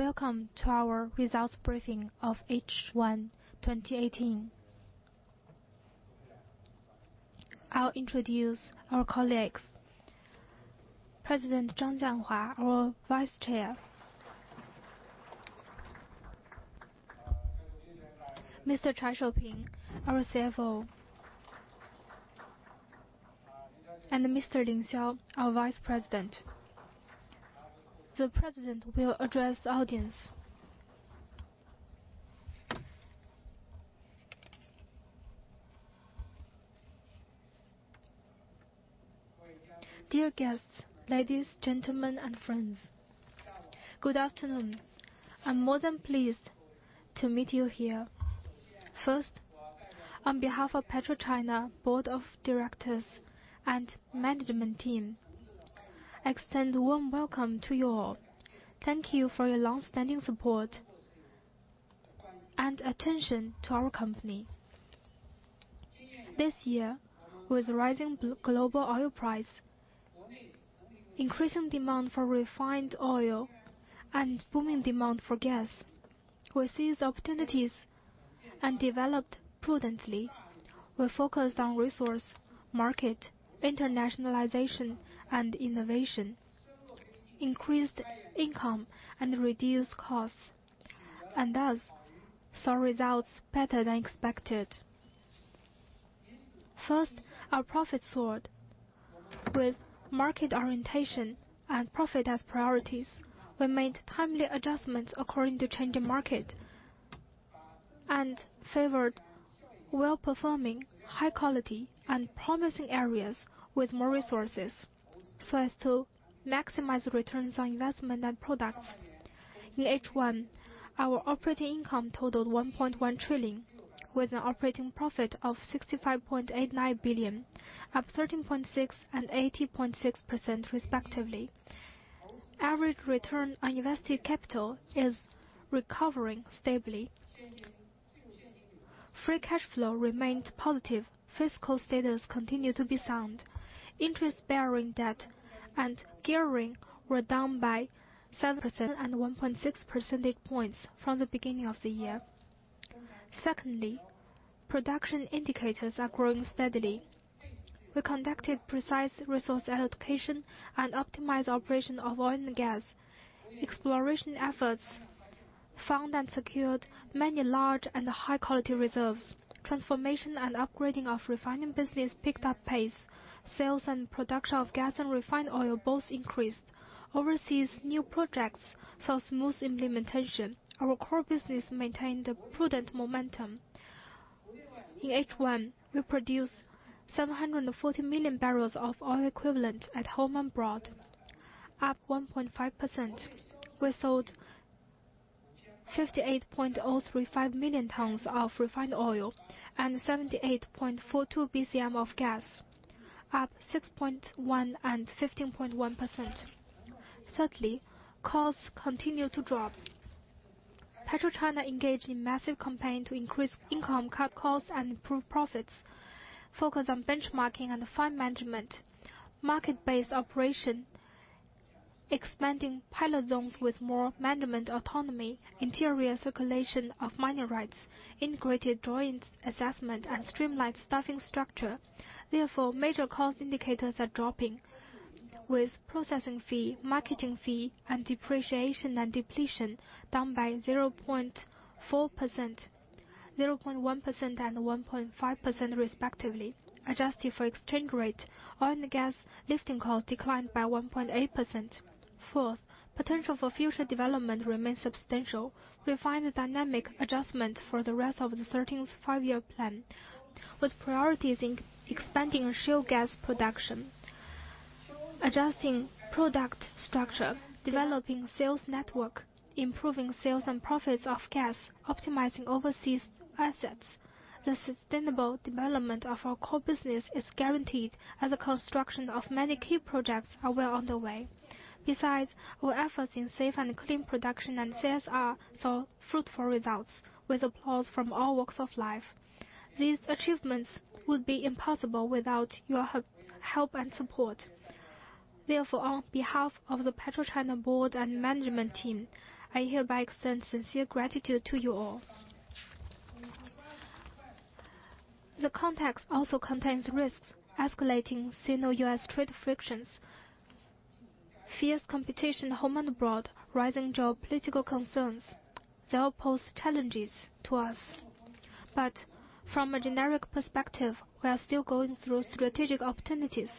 Welcome to our results briefing of H1 2018. I'll introduce our colleagues: President Zhang Jianhua, our Vice Chair, Mr. Chai Shouping, our CFO, and Mr. Ling Xiao, our Vice President. The President will address the audience. Dear guests, ladies, gentlemen, and friends, good afternoon. I'm more than pleased to meet you here. First, on behalf of PetroChina Board of Directors and Management Team, I extend a warm welcome to you all. Thank you for your long-standing support and attention to our company. This year, with rising global oil prices, increasing demand for refined oil, and booming demand for gas, we seized opportunities and developed prudently. We focused on resource market, internationalization, and innovation, increased income, and reduced costs, and thus saw results better than expected. First, our profits soared. With market orientation and profit as priorities, we made timely adjustments according to changing markets and favored well-performing, high-quality, and promising areas with more resources so as to maximize returns on investment and products. In H1, our operating income totaled 1.1 trillion, with an operating profit of 65.89 billion, up 13.6% and 80.6% respectively. Average return on invested capital is recovering stably. Free cash flow remained positive. Fiscal status continued to be sound. Interest-bearing debt and gearing were down by 7% and 1.6% points from the beginning of the year. Secondly, production indicators are growing steadily. We conducted precise resource allocation and optimized operation of oil and gas. Exploration efforts found and secured many large and high-quality reserves. Transformation and upgrading of refining business picked up pace. Sales and production of gas and refined oil both increased. Overseas, new projects saw smooth implementation. Our core business maintained prudent momentum. In H1, we produced 740 million barrels of oil equivalent at home and abroad, up 1.5%. We sold 58.035 million tons of refined oil and 78.42 bcm of gas, up 6.1% and 15.1%. Thirdly, costs continued to drop. PetroChina engaged in massive campaigns to increase income, cut costs, and improve profits, focus on benchmarking and fine management, market-based operation, expanding pilot zones with more management autonomy, interior circulation of mining rights, integrated joint assessment, and streamlined staffing structure. Therefore, major cost indicators are dropping, with processing fee, marketing fee, and depreciation and depletion down by 0.4%, 0.1%, and 1.5% respectively, adjusted for exchange rate. Oil and gas lifting costs declined by 1.8%. Fourth, potential for future development remains substantial. Refine the dynamic adjustment for the rest of the 13th Five-Year Plan, with priorities in expanding shale gas production, adjusting product structure, developing sales network, improving sales and profits of gas, optimizing overseas assets. The sustainable development of our core business is guaranteed as the construction of many key projects are well underway. Besides, our efforts in safe and clean production and sales are so fruitful results, with applause from all walks of life. These achievements would be impossible without your help and support. Therefore, on behalf of the PetroChina Board and Management Team, I hereby extend sincere gratitude to you all. The context also contains risks: escalating Sino-U.S. trade frictions, fierce competition home and abroad, rising geopolitical concerns. They all pose challenges to us. But from a generic perspective, we are still going through strategic opportunities.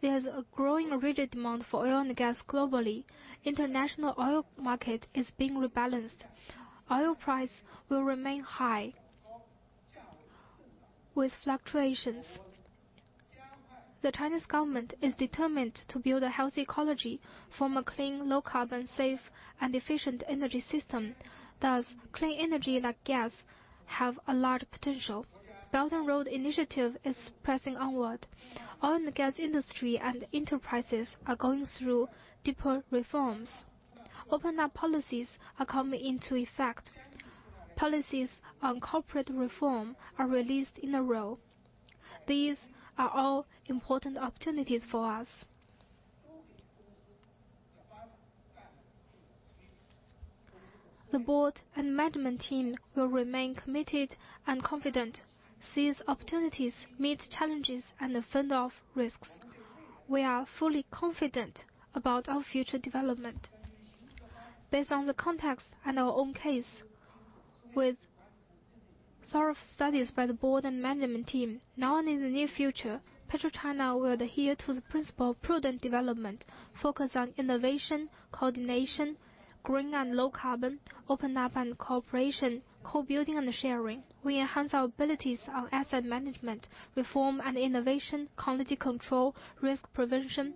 There is a growing rigid demand for oil and gas globally. International Oil Market is being rebalanced. Oil price will remain high with fluctuations. The Chinese government is determined to build a healthy ecology, form a clean, low-carbon, safe, and efficient energy system. Thus, clean energy like gas has a large potential. Belt and Road Initiative is pressing onward. Oil and gas industry and enterprises are going through deeper reforms. Open-up policies are coming into effect. Policies on corporate reform are released in a row. These are all important opportunities for us. The Board and Management Team will remain committed and confident. Seize opportunities, meet challenges, and fend off risks. We are fully confident about our future development. Based on the context and our own case, with thorough studies by the Board and Management Team, now and in the near future, PetroChina will adhere to the principle of prudent development, focus on innovation, coordination, green and low-carbon, open-up and cooperation, co-building and sharing. We enhance our abilities on asset management, reform and innovation, quality control, risk prevention,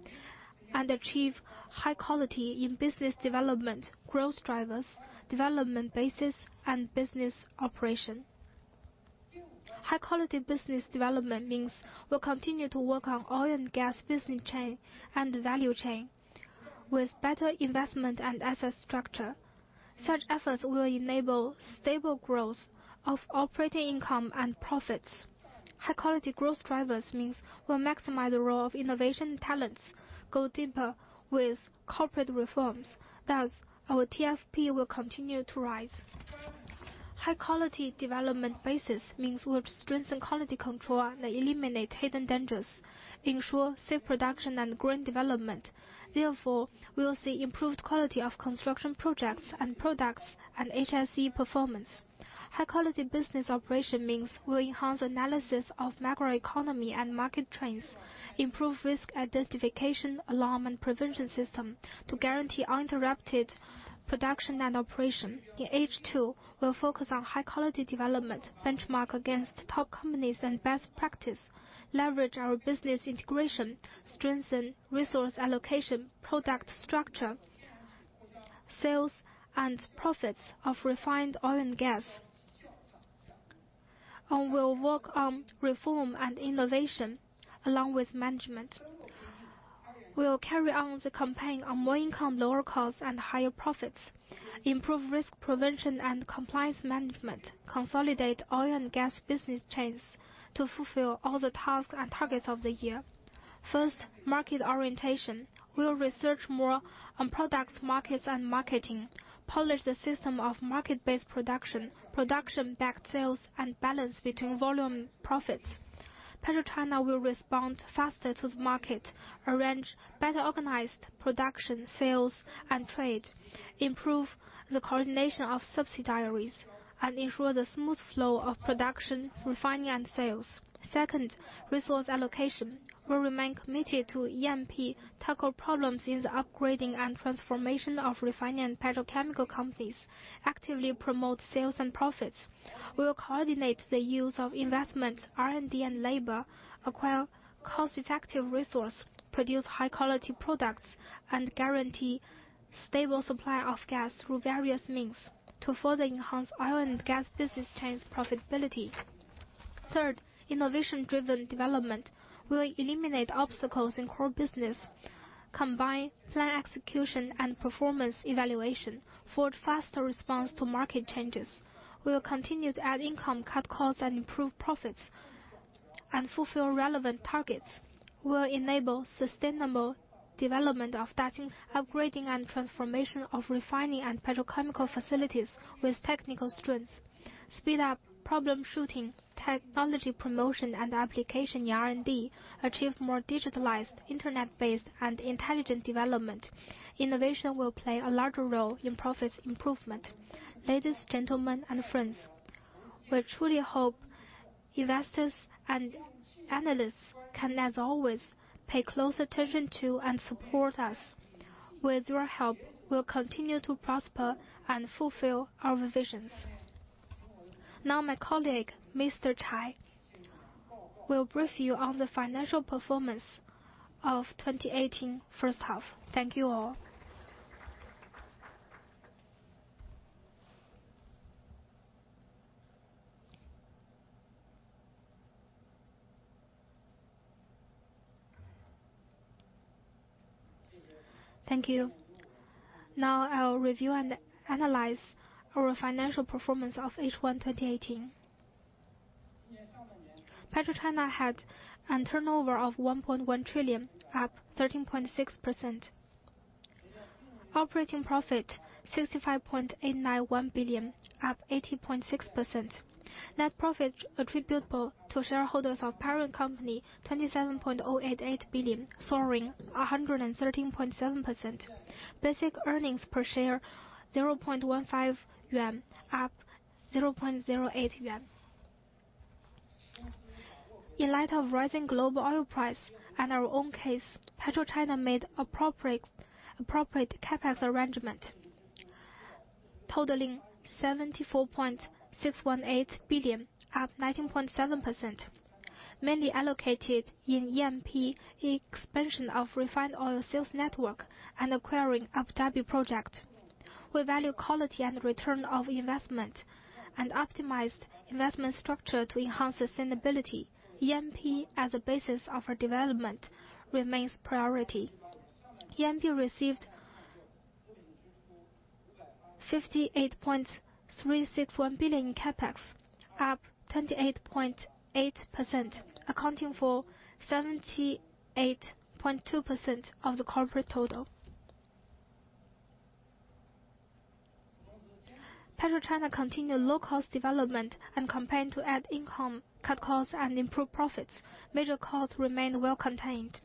and achieve high quality in business development, growth drivers, development basis, and business operation. High quality business development means we'll continue to work on oil and gas business chain and value chain with better investment and asset structure. Such efforts will enable stable growth of operating income and profits. High quality growth drivers means we'll maximize the role of innovation talents, go deeper with corporate reforms. Thus, our TFP will continue to rise. High quality development basis means we'll strengthen quality control and eliminate hidden dangers, ensure safe production and green development. Therefore, we'll see improved quality of construction projects and products and HSE performance. High quality business operation means we'll enhance analysis of macroeconomy and market trends, improve risk identification, alarm, and prevention system to guarantee uninterrupted production and operation. In H2, we'll focus on high quality development, benchmark against top companies and best practices, leverage our business integration, strengthen resource allocation, product structure, sales, and profits of refined oil and gas, and we'll work on reform and innovation along with management. We'll carry on the campaign on more income, lower costs, and higher profits, improve risk prevention and compliance management, consolidate oil and gas business chains to fulfill all the tasks and targets of the year. First, market orientation. We'll research more on product markets and marketing, polish the system of market-based production, production-backed sales, and balance between volume and profits. PetroChina will respond faster to the market, arrange better-organized production, sales, and trade, improve the coordination of subsidiaries, and ensure the smooth flow of production, refining, and sales. Second, resource allocation. We'll remain committed to E&P, tackle problems in the upgrading and transformation of refining and petrochemical companies, actively promote sales and profits. We'll coordinate the use of investment, R&D, and labor, acquire cost-effective resources, produce high-quality products, and guarantee stable supply of gas through various means to further enhance oil and gas business chain's profitability. Third, innovation-driven development. We'll eliminate obstacles in core business, combine plan execution and performance evaluation, forge faster response to market changes. We'll continue to add income, cut costs, and improve profits, and fulfill relevant targets. We'll enable sustainable development of data, upgrading and transformation of refining and petrochemical facilities with technical strengths, speed up problem-shooting, technology promotion, and application R&D, achieve more digitalized, internet-based, and intelligent development. Innovation will play a larger role in profits improvement. Ladies and gentlemen and friends, we truly hope investors and analysts can, as always, pay close attention to and support us. With your help, we'll continue to prosper and fulfill our visions. Now, my colleague, Mr. Chai, will brief you on the financial performance of 2018. First half, thank you all. Thank you. Now, I'll review and analyze our financial performance of H1 2018. PetroChina had a turnover of 1.1 trillion, up 13.6%. Operating profit 65.891 billion, up 80.6%. Net profit attributable to shareholders of parent company 27.088 billion, soaring 113.7%. Basic earnings per share 0.15 yuan, up 0.08 yuan. In light of rising global oil price and our own case, PetroChina made appropriate CapEx arrangement, totaling 74.618 billion, up 19.7%, mainly allocated in EMP, expansion of refined oil sales network, and acquiring a Abu Dhabi project. We value quality and return of investment and optimized investment structure to enhance sustainability. EMP as a basis of our development remains priority. EMP received CNY 58.361 billion in CapEx, up 28.8%, accounting for 78.2% of the corporate total. PetroChina continued low-cost development and campaigned to add income, cut costs, and improve profits. Major costs remained well contained.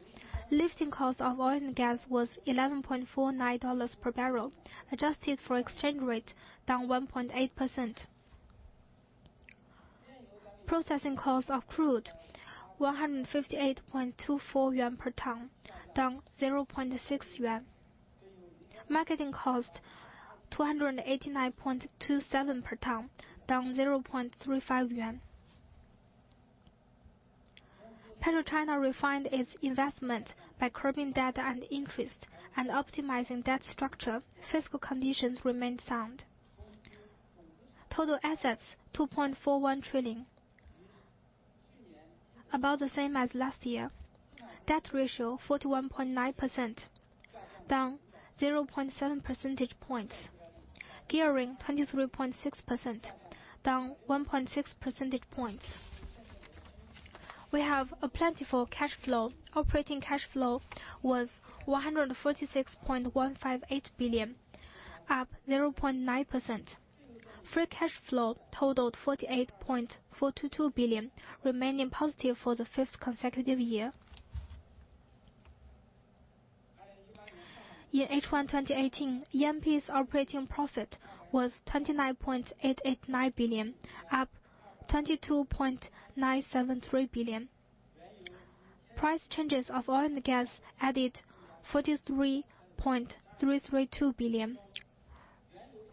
Lifting cost of oil and gas was $11.49 per barrel, adjusted for exchange rate, down 1.8%. Processing cost of crude 158.24 yuan per ton, down 0.6 yuan. Marketing cost 289.27 per ton, down 0.35 yuan. PetroChina refined its investment by curbing debt and interest and optimizing debt structure. Fiscal conditions remained sound. Total assets 2.41 trillion, about the same as last year. Debt ratio 41.9%, down 0.7% points. Gearing 23.6%, down 1.6% points. We have a plentiful cash flow. Operating cash flow was 146.158 billion, up 0.9%. Free cash flow totaled 48.422 billion, remaining positive for the fifth consecutive year. In H1 2018, E&P's operating profit was 29.889 billion, up 22.973 billion. Price changes of oil and gas added 43.332 billion.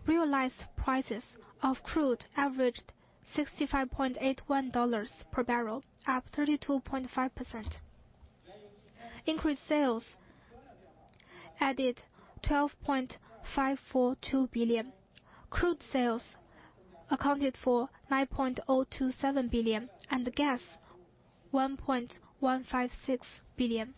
Realized prices of crude averaged $65.81 per barrel, up 32.5%. Increased sales added 12.542 billion. Crude sales accounted for 9.027 billion and gas 1.156 billion.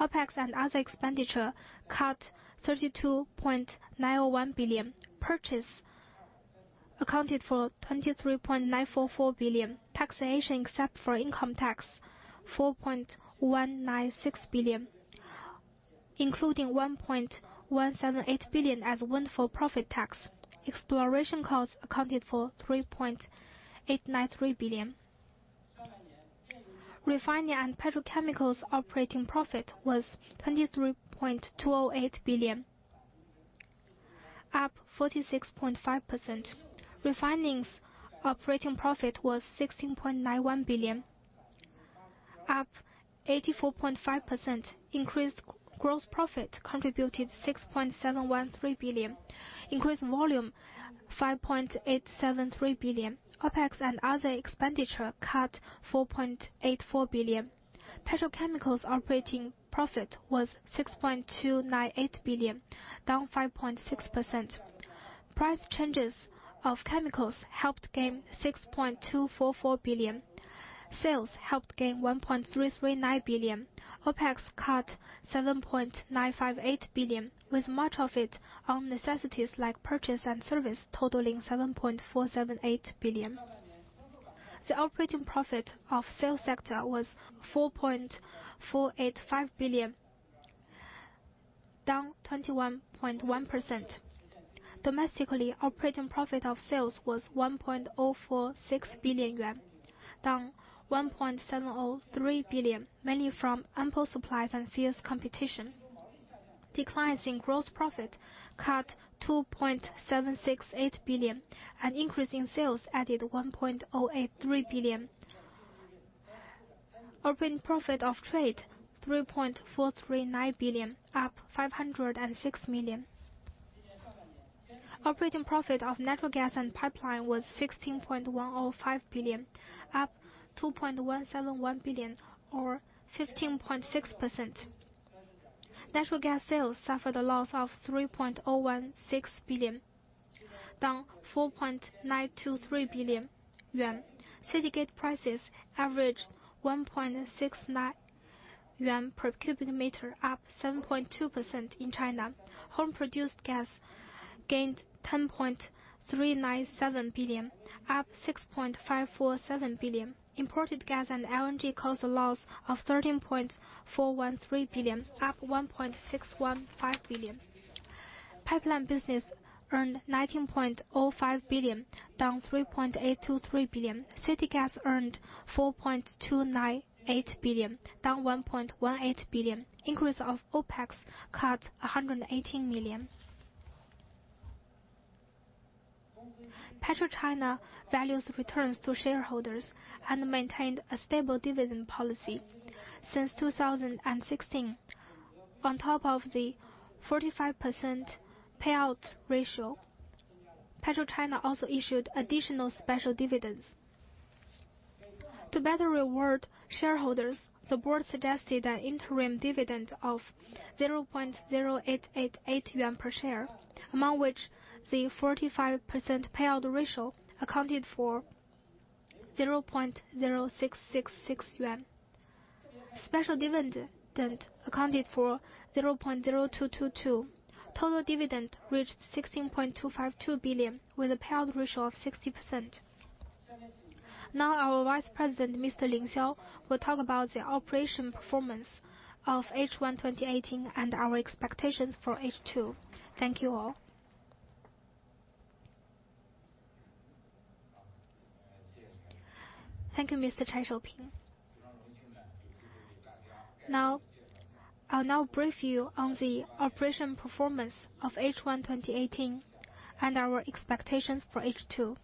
OpEx and other expenditure cut 32.901 billion. Purchase accounted for 23.944 billion. Taxation except for income tax 4.196 billion, including 1.178 billion as windfall profit tax. Exploration cost accounted for 3.893 billion. Refining and petrochemicals operating profit was 23.208 billion, up 46.5%. Refining's operating profit was 16.91 billion, up 84.5%. Increased gross profit contributed 6.713 billion. Increased volume 5.873 billion. OpEx and other expenditure cut 4.84 billion. Petrochemicals operating profit was 6.298 billion, down 5.6%. Price changes of chemicals helped gain 6.244 billion. Sales helped gain 1.339 billion. OpEx cut 7.958 billion, with much of it on necessities like purchase and service, totaling 7.478 billion. The operating profit of sales sector was 4.485 billion, down 21.1%. Domestically, operating profit of sales was 1.046 billion yuan, down 1.703 billion, mainly from ample supplies and fierce competition. Declines in gross profit cut 2.768 billion, and increase in sales added 1.083 billion. Operating profit of trade 3.439 billion, up 506 million. Operating profit of natural gas and pipeline was 16.105 billion, up 2.171 billion or 15.6%. Natural gas sales suffered a loss of 3.016 billion, down 4.923 billion yuan. City-gate prices averaged 1.69 yuan per cubic meter, up 7.2% in China. Home-produced gas gained 10.397 billion, up 6.547 billion. Imported gas and LNG caused a loss of 13.413 billion, up 1.615 billion. Pipeline business earned 19.05 billion, down 3.823 billion. Synergies earned 4.298 billion, down 1.18 billion. Increase of OpEx cut 118 million. PetroChina values returns to shareholders and maintained a stable dividend policy. Since 2016, on top of the 45% payout ratio, PetroChina also issued additional special dividends. To better reward shareholders, the board suggested an interim dividend of 0.0888 yuan per share, among which the 45% payout ratio accounted for 0.0666 yuan. Special dividend accounted for 0.0222. Total dividend reached 16.252 billion with a payout ratio of 60%. Now, our Vice President, Mr. Ling Xiao, will talk about the operation performance of H1 2018 and our expectations for H2. Thank you all. Thank you, Mr. Chai Shouping. Now, I'll brief you on the operation performance of H1 2018 and our expectations for H2.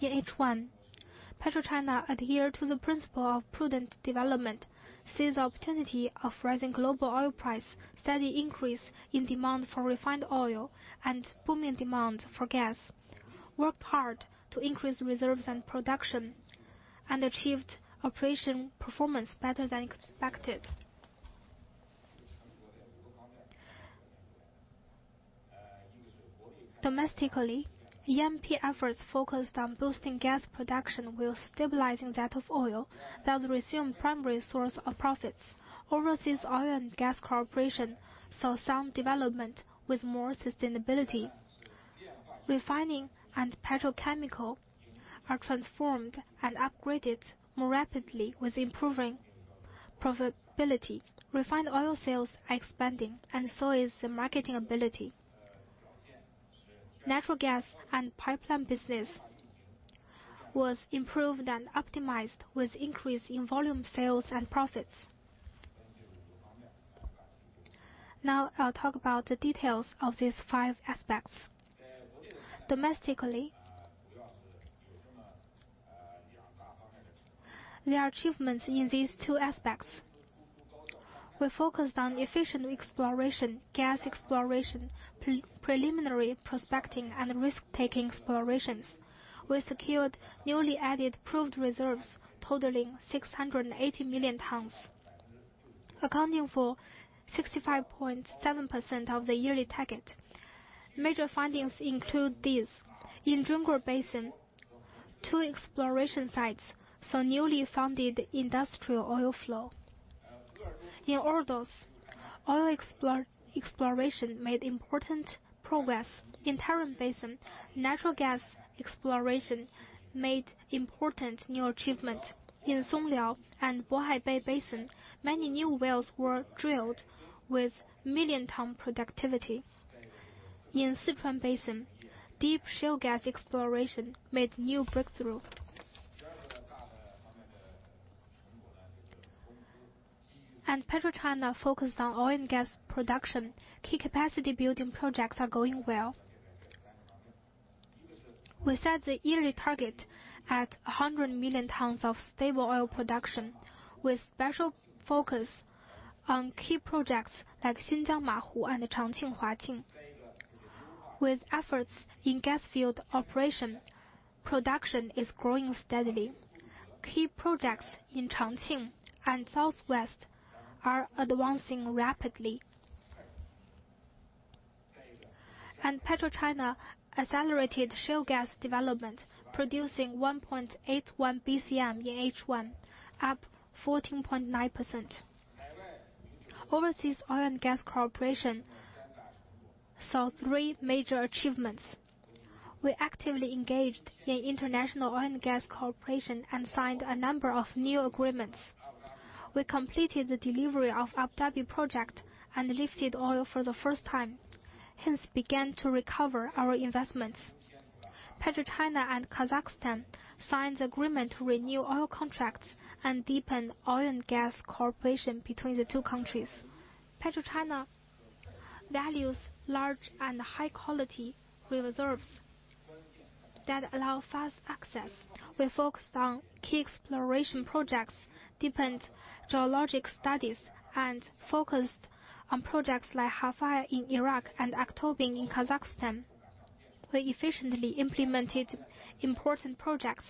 In H1, PetroChina adhered to the principle of prudent development, seized the opportunity of rising global oil price, steady increase in demand for refined oil, and booming demand for gas, worked hard to increase reserves and production, and achieved operation performance better than expected. Domestically, E&P efforts focused on boosting gas production while stabilizing that of oil, that resumed primary source of profits. Overseas oil and gas cooperation saw sound development with more sustainability. Refining and petrochemicals are transformed and upgraded more rapidly with improving profitability. Refined oil sales are expanding, and so is the marketing ability. Natural gas and pipeline business was improved and optimized with increase in volume sales and profits. Now, I'll talk about the details of these five aspects. Domestically, there are achievements in these two aspects. We focused on efficient exploration, gas exploration, preliminary prospecting, and risk-taking explorations. We secured newly added proved reserves totaling 680 million tons, accounting for 65.7% of the yearly target. Major findings include these: in Junggar Basin, two exploration sites saw newly founded industrial oil flow. In Ordos, oil exploration made important progress. In Tarim Basin, natural gas exploration made important new achievements. In Songliao and Bohai Bay Basin, many new wells were drilled with million-ton productivity. In Sichuan Basin, deep shale gas exploration made new breakthroughs. PetroChina focused on oil and gas production. Key capacity-building projects are going well. We set the yearly target at 100 million tons of stable oil production, with special focus on key projects like Xinjiang Mahu and Changqing Huaqing. With efforts in gas field operation, production is growing steadily. Key projects in Changqing and southwest are advancing rapidly. PetroChina accelerated shale gas development, producing 1.81 bcm in H1, up 14.9%. Overseas oil and gas corporation saw three major achievements. We actively engaged in international oil and gas cooperation and signed a number of new agreements. We completed the delivery of Abu Dhabi project and lifted oil for the first time, hence began to recover our investments. PetroChina and Kazakhstan signed the agreement to renew oil contracts and deepen oil and gas cooperation between the two countries. PetroChina values large and high-quality reserves that allow fast access. We focused on key exploration projects, deepened geologic studies, and focused on projects like Halfaya in Iraq and Aktobe in Kazakhstan. We efficiently implemented important projects,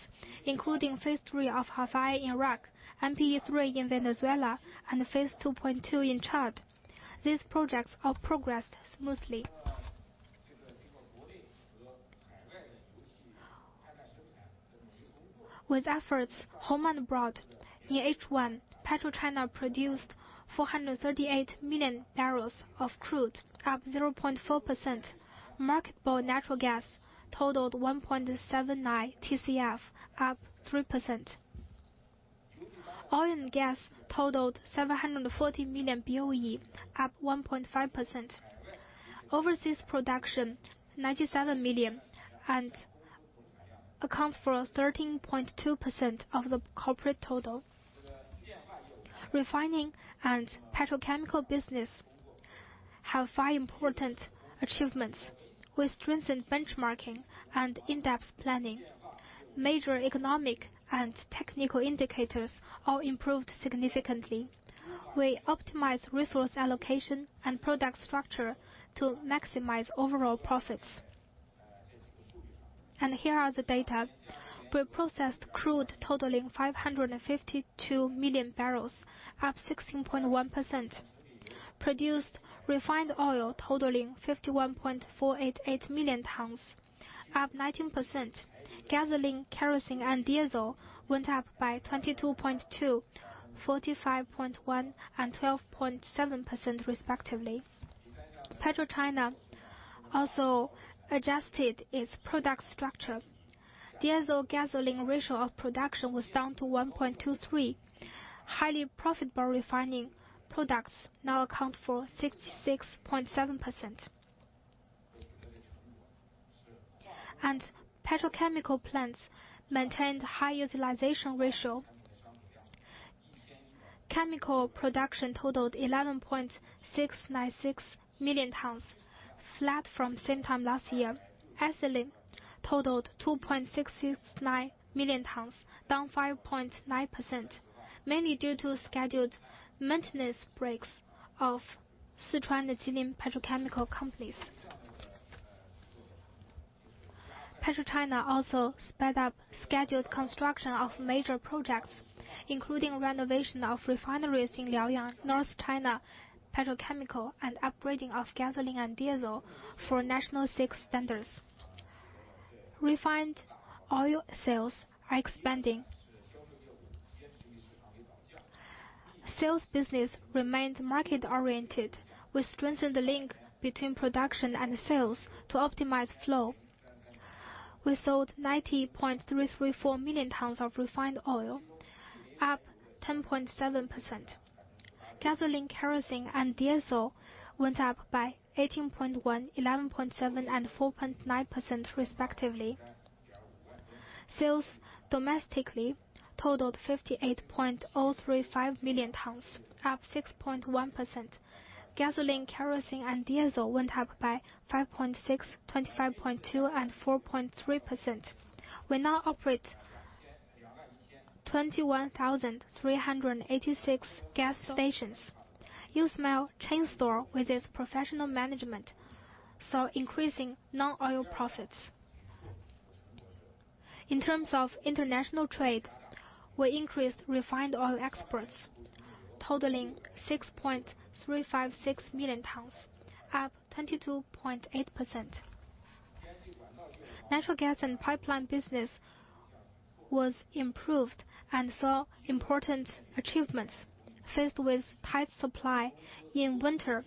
including phase three of Halfaya in Iraq, MPE-3 in Venezuela, and phase 2.2 in Chad. These projects all progressed smoothly. With efforts home and abroad, in H1, PetroChina produced 438 million barrels of crude, up 0.4%. Marketable natural gas totaled 1.79 TCF, up 3%. Oil and gas totaled 740 million BOE, up 1.5%. Overseas production, 97 million, accounts for 13.2% of the corporate total. Refining and petrochemical business have five important achievements. We strengthened benchmarking and in-depth planning. Major economic and technical indicators all improved significantly. We optimized resource allocation and product structure to maximize overall profits, and here are the data. We processed crude totaling 552 million barrels, up 16.1%. Produced refined oil totaling 51.488 million tons, up 19%. Gasoline, kerosene, and diesel went up by 22.2%, 45.1%, and 12.7% respectively. PetroChina also adjusted its product structure. Diesel gasoline ratio of production was down to 1.23. Highly profitable refining products now account for 66.7%, and petrochemical plants maintained high utilization ratio. Chemical production totaled 11.696 million tons, flat from same time last year. Ethylene totaled 2.669 million tons, down 5.9%, mainly due to scheduled maintenance breaks of Sichuan Petrochemical Company. PetroChina also sped up scheduled construction of major projects, including renovation of refineries in Liaoyang, North China Petrochemical, and upgrading of gasoline and diesel for National VI standards. Refined oil sales are expanding. Sales business remained market-oriented. We strengthened the link between production and sales to optimize flow. We sold 90.334 million tons of refined oil, up 10.7%. Gasoline, kerosene, and diesel went up by 18.1%, 11.7%, and 4.9% respectively. Sales domestically totaled 58.035 million tons, up 6.1%. Gasoline, kerosene, and diesel went up by 5.6%, 25.2%, and 4.3%. We now operate 21,386 gas stations. uSmile Chain Store, with its professional management, saw increasing non-oil profits. In terms of international trade, we increased refined oil exports totaling 6.356 million tons, up 22.8%. Natural gas and Pipeline business was improved and saw important achievements. Faced with tight supply in winter,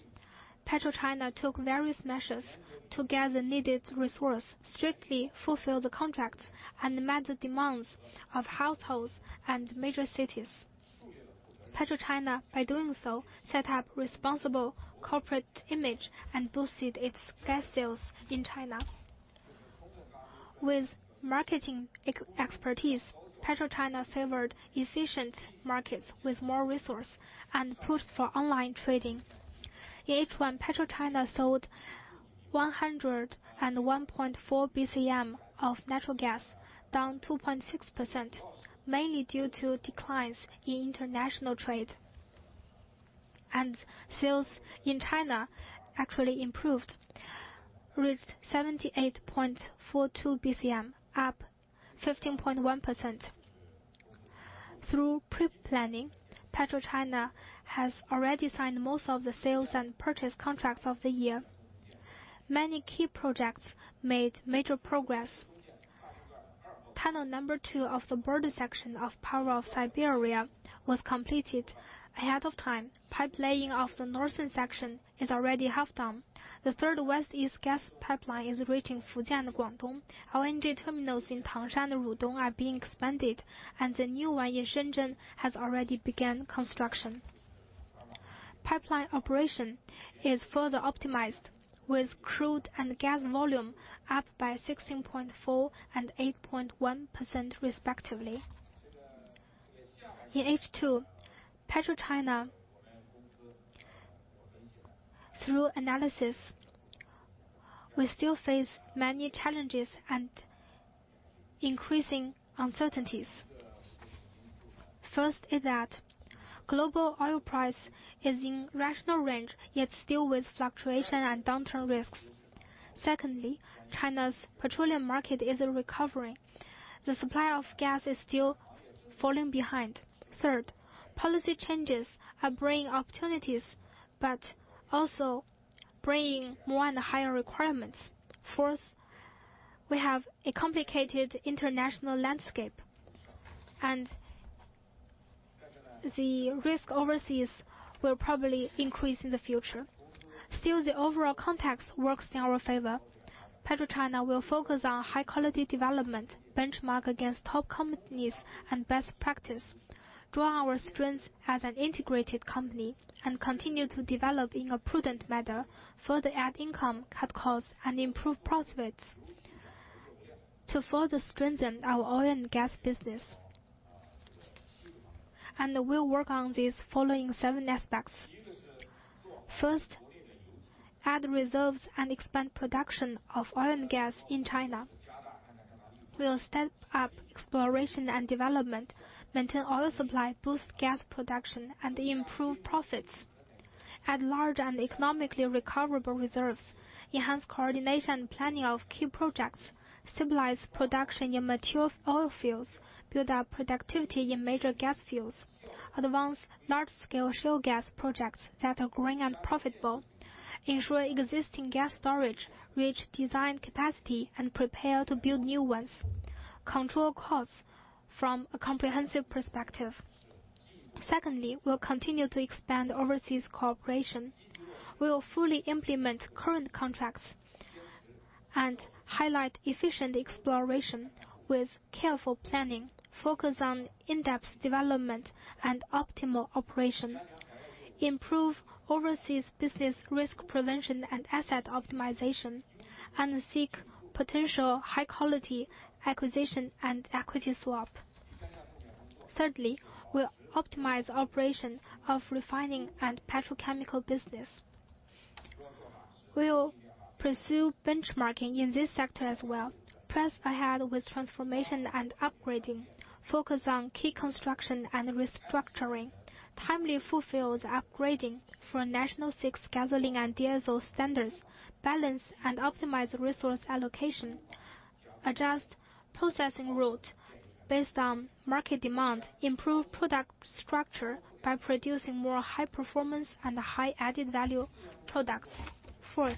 PetroChina took various measures to gather needed resources, strictly fulfill the contracts, and met the demands of households and major cities. PetroChina, by doing so, set up responsible corporate image and boosted its gas sales in China. With marketing expertise, PetroChina favored efficient markets with more resources and pushed for online trading. In H1, PetroChina sold 101.4 bcm of natural gas, down 2.6%, mainly due to declines in international trade. And sales in China actually improved, reached 78.42 bcm, up 15.1%. Through pre-planning, PetroChina has already signed most of the sales and purchase contracts of the year. Many key projects made major progress. Tunnel number two of the border section of Power of Siberia was completed ahead of time. Pipelaying of the northern section is already half done. The third West-East Gas Pipeline is reaching Fujian and Guangdong. LNG terminals in Tangshan and Rudong are being expanded, and the new one in Shenzhen has already begun construction. Pipeline operation is further optimized, with crude and gas volume up by 16.4% and 8.1% respectively. In H2, PetroChina, through analysis, we still face many challenges and increasing uncertainties. First is that global oil price is in rational range, yet still with fluctuation and downturn risks. Secondly, China's petroleum market is recovering. The supply of gas is still falling behind. Third, policy changes are bringing opportunities but also bringing more and higher requirements. Fourth, we have a complicated international landscape, and the risk overseas will probably increase in the future. Still, the overall context works in our favor. PetroChina will focus on high-quality development, benchmark against top companies and best practices, draw our strengths as an integrated company, and continue to develop in a prudent manner, further add income, cut costs, and improve profits to further strengthen our oil and gas business, and we'll work on these following seven aspects. First, add reserves and expand production of oil and gas in China. We'll step up exploration and development, maintain oil supply, boost gas production, and improve profits. Add large and economically recoverable reserves, enhance coordination and planning of key projects, stabilize production in mature oil fields, build up productivity in major gas fields, advance large-scale shale gas projects that are green and profitable, ensure existing gas storage reach design capacity, and prepare to build new ones. Control costs from a comprehensive perspective. Secondly, we'll continue to expand overseas cooperation. We will fully implement current contracts and highlight efficient exploration with careful planning, focus on in-depth development and optimal operation, improve overseas business risk prevention and asset optimization, and seek potential high-quality acquisition and equity swap. Thirdly, we'll optimize operation of refining and petrochemical business. We'll pursue benchmarking in this sector as well. Press ahead with transformation and upgrading, focus on key construction and restructuring, timely fulfill the upgrading for National VI gasoline and diesel standards, balance and optimize resource allocation, adjust processing route based on market demand, improve product structure by producing more high-performance and high-added value products. Fourth,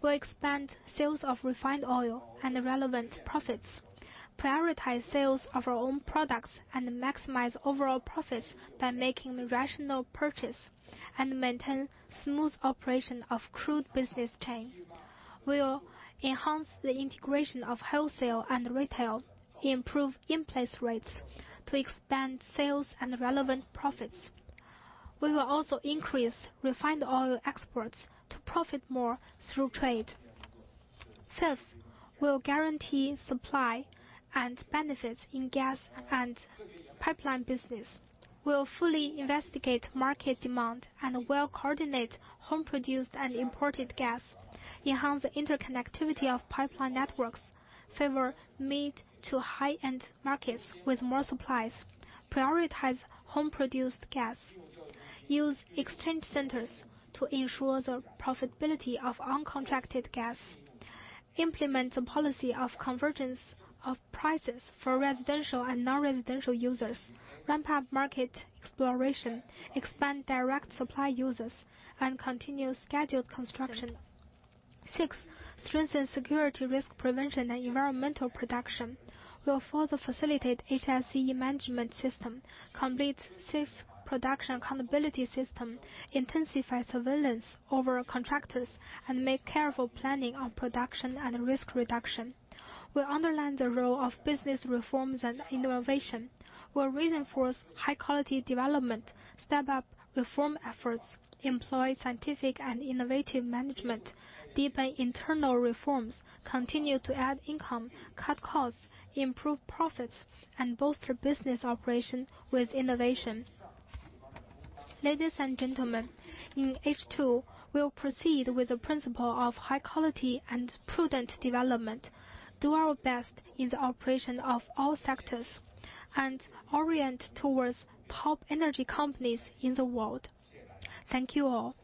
we'll expand sales of refined oil and relevant profits, prioritize sales of our own products, and maximize overall profits by making rational purchase and maintain smooth operation of crude business chain. We'll enhance the integration of wholesale and retail, improve in place rates to expand sales and relevant profits. We will also increase refined oil exports to profit more through trade. Fifth, we'll guarantee supply and benefits in gas and pipeline business. We'll fully investigate market demand and well coordinate home-produced and imported gas, enhance the interconnectivity of pipeline networks, favor mid to high-end markets with more supplies, prioritize home-produced gas, use exchange centers to ensure the profitability of uncontracted gas, implement the policy of convergence of prices for residential and non-residential users, ramp up market exploration, expand direct supply users, and continue scheduled construction. Sixth, strengthen security risk prevention and environmental protection. We'll further facilitate HSE management system, complete safe production accountability system, intensify surveillance over contractors, and make careful planning of production and risk reduction. We'll underline the role of business reforms and innovation. We'll reinforce high-quality development, step up reform efforts, employ scientific and innovative management, deepen internal reforms, continue to add income, cut costs, improve profits, and bolster business operation with innovation. Ladies and gentlemen, in H2, we'll proceed with the principle of high-quality and prudent development, do our best in the operation of all sectors, and orient towards top energy companies in the world. Thank you all.